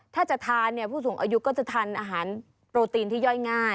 ถ้าจะทานเนี่ยผู้สูงอายุก็จะทานอาหารโปรตีนที่ย่อยง่าย